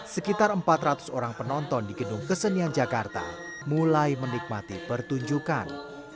sekitar empat ratus orang penonton di gedung kesenian jakarta mulai menikmati pertunjukan